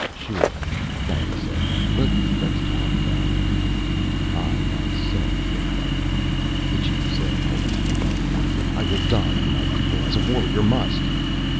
"Sure," Fannia said. "But let's talk about it " "I myself will fight you," the chief said, holding up a dagger. "I will die for my people, as a warrior must!"